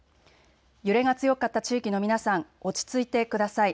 揺れが強かった地域の皆さん、落ち着いてください。